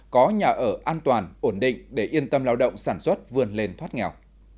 có nhà ở an toàn ổn định để yên tâm lao động sản xuất vươn lên thoát nghèo